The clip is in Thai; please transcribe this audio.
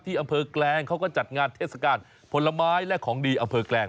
อำเภอแกลงเขาก็จัดงานเทศกาลผลไม้และของดีอำเภอแกลง